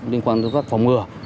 liên quan đến các phòng mưa